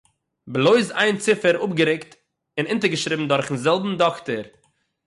בלויז איין ציפער אָפּגערוקט און אונטערגעשריבן דורכ'ן זעלבן דאָקטער